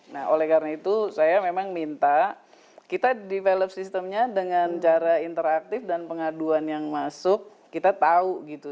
nah oleh karena itu saya memang minta kita develop systemnya dengan cara interaktif dan pengaduan yang masuk kita tahu gitu